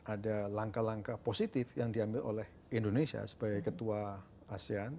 ada langkah langkah positif yang diambil oleh indonesia sebagai ketua asean